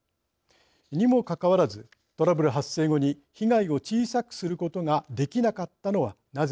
にもかかわらずトラブル発生後に被害を小さくすることができなかったのはなぜなのか。